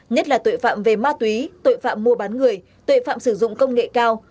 nhất là tội phạm về ma túy tội phạm mua bán người tội phạm sử dụng công nghệ cao